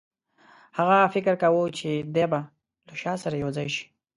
هغه فکر کاوه چې دی به له شاه سره یو ځای شي.